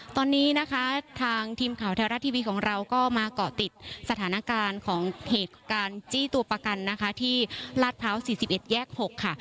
ตอนนี้นะคะทางทีมข่าวไทยรัฐทีวีของเราก็มาเกาะติดสถานการณ์ของเหตุการณ์จี้ตัวประกันนะคะที่ลาดพร้าว๔๑แยก๖ค่ะ